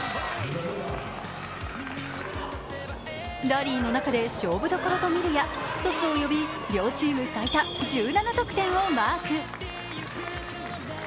ラリーの中で勝負どころと見るや、トスを呼び両チーム最多１７得点をマーク。